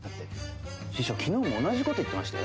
「師匠昨日も同じこと言ってましたよ」